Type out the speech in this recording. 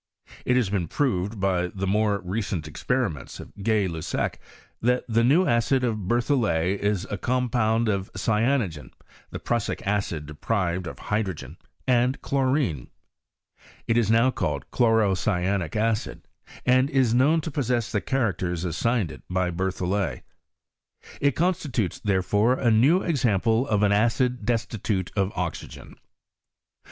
It has been proved by the more recent experiments of Gay Lussac, that the new acid of Berthollet is a compound of cyano gen (the prussic acid deprived of hydrogen) and chlorine : it is now called chlm o cyanic acid, and is known to possess the characters assigried it by Berthollet : it constitutes, therefore, a new example of an acid destitute of oxygen.